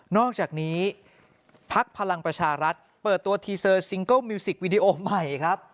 อกจากนี้พักพลังประชารัฐเปิดตัวทีเซอร์ซิงเกิ้ลมิวสิกวีดีโอใหม่ครับ